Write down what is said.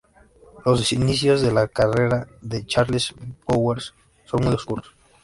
Los inicios de la carrera de Charley Bowers son muy oscuros.